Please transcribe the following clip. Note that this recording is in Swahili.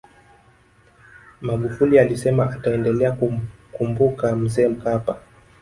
magufuli alisema ataendelea kumkumbuka mzee mkapa